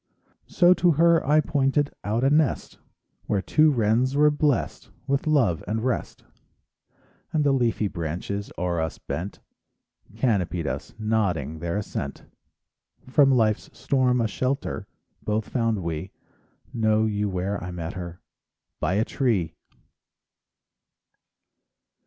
So to her I pointed Out a nest, Where two wrens were blessed with Love and rest, SONGS AND DREAMS And the leafy branches O'er us bent, Canopied us, nodding Their assent. From life's storm a shelter Both found we: Know you where I met her? By a tree!